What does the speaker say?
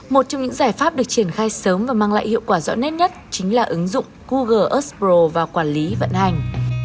một trong những giải pháp được triển khai sớm và mang lại hiệu quả rõ nét nhất chính là ứng dụng google earth pro và quản lý vận hành